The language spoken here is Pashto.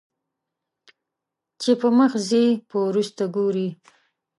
چې پۀ مخ ځې په وروستو ګورې